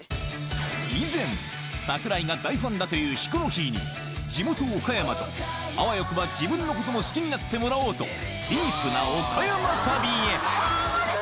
以前、桜井が大ファンだというヒコロヒーに、地元岡山と、あわよくば自分のことも好きになってもらおうと、ディープな岡山旅へ。